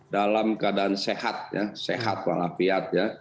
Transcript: dalam keadaan sehat sehat walafiat ya